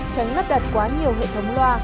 tránh lắp đặt quá nhiều hệ thống loa